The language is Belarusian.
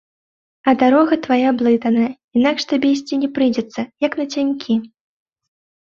А дарога твая блытаная, інакш табе ісці не прыйдзецца, як нацянькі.